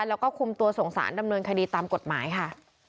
แล้วก็คุมตัวส่งสารดำเนินคดีตามกฎหมายค่ะ